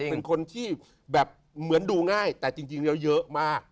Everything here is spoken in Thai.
เป็นคนที่แบบเหมือนดูง่ายแต่จริงแล้วเยอะมาก